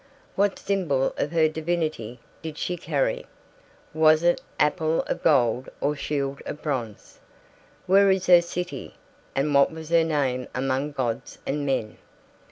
What symbol of her divinity did she carry? Was it apple of gold or shield of bronze? Where is her city and what was her name among gods and men?